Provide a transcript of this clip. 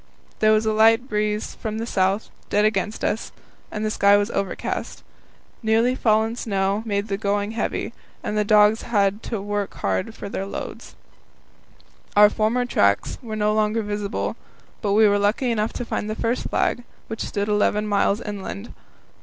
There was a light breeze from the south, dead against us, and the sky was overcast. Newly fallen snow made the going heavy, and the dogs had hard work with their loads. Our former tracks were no longer visible, but we were lucky enough to find the first flag, which stood eleven miles inland.